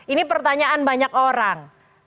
ini pertanyaan banyak orang